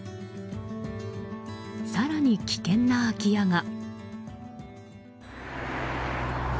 更に危険な空き家が。